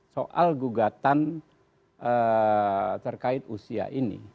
soal gugatan terkait usia ini